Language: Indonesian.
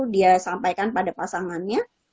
dia sampaikan pada pasangannya